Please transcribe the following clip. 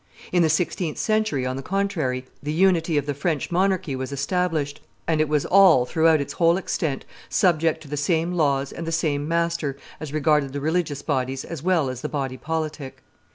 In the sixteenth century, on the contrary, the unity of the French monarchy was established, and it was all, throughout its whole extent, subject to the same laws and the same master, as regarded the religious bodies as well as the body politic.